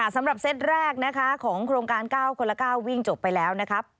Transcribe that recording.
สำหรับเซตแรกของโครงการ๙คนละ๙วิ่งจบไปแล้ว